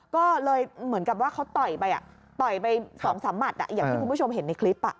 ก็เลยเหมือนกับว่าเขาต่อยไปต่อยไป๒๓หมัดอย่างที่คุณผู้ชมเห็นในคลิป